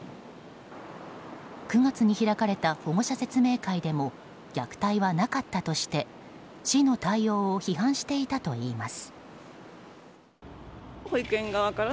９月に開かれた保護者説明会でも虐待はなかったとして市の対応を批判していたといいます。